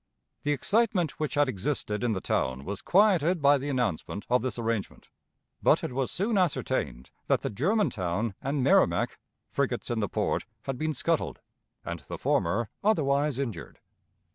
The excitement which had existed in the town was quieted by the announcement of this arrangement; but it was soon ascertained that the Germantown and Merrimac, frigates in the port, had been scuttled, and the former otherwise injured.